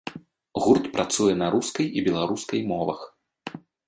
Гурт працуе на рускай і беларускай мовах.